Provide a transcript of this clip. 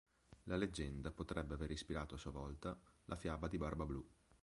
La leggenda potrebbe aver ispirato a sua volta la fiaba di Barbablù.